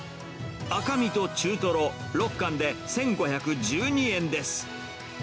赤身と中トロ６貫で１５１２円です。